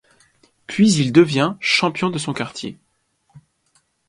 Puis il devient champion de son quartier.